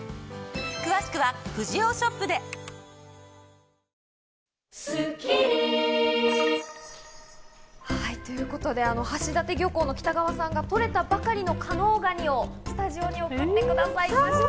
詳しくはフジオーショップで！ということで橋立漁港の北川さんが取れたばかりの加能がにをスタジオに送ってくださいました。